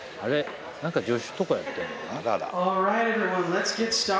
何か助手とかやってるのかな？